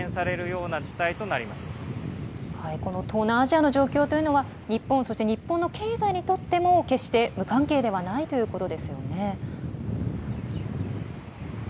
この東南アジアの状況は日本、日本の経済にとっても決して無関係ではないということですよね。